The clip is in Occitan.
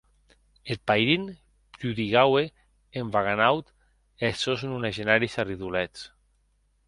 Eth pairin prodigaue en vaganaut es sòns nonagenaris arridolets.